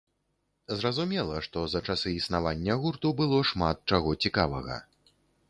Зразумела, што за часы існавання гурту было шмат чаго цікавага.